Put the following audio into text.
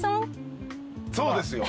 そうですよ。